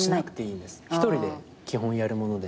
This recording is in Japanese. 一人で基本やるもので。